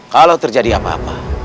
kalau terjadi apa apa